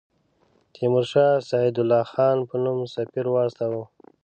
تیمورشاه سعدالله خان په نوم سفیر واستاوه.